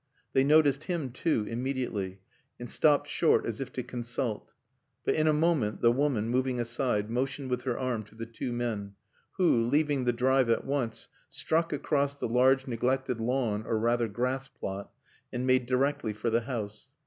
They noticed him too, immediately, and stopped short as if to consult. But in a moment the woman, moving aside, motioned with her arm to the two men, who, leaving the drive at once, struck across the large neglected lawn, or rather grass plot, and made directly for the house.